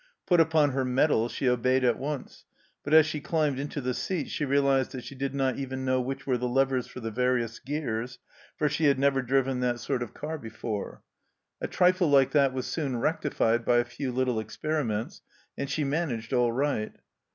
Put upon her mettle, she obeyed at once, but as she climbed into the seat she realized that she did not even know which were the levers for the various gears, for she had never driven that sort of car 69 70 THE CELLAR HOUSE OF PERVYSE before. A trifle like that was soon rectified by a few little experiments, and she managed all right.